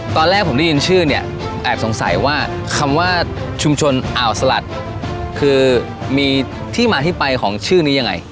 ตอนแรกผมได้ยินชื่อเนี่ยแอบสงสัยว่าคำว่าชุมชนอ่าวสลัดคือมีที่มาที่ไปของชื่อนี้ยังไง